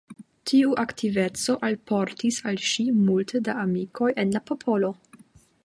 Tiu aktiveco alportis al ŝi multe da amikoj en la popolo.